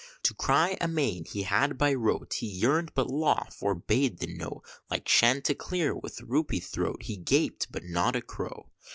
To cry amain he had by rote He yearn'd, but law forbade the note, Like Chanticleer with roupy throat, He gaped but not a crow!